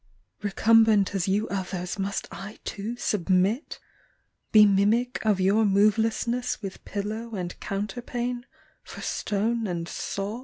Recumbent as you others must I too Submit? Be mimic of your movelessness With pillow and counterpane for stone and sod?